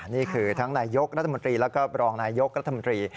นี่คือทั้งนายยกรัฐมนตรีแล้วก็รองนายยกรัฐมนตรี